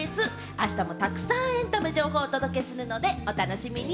あしたもたくさんエンタメ情報をお届けするのでお楽しみに。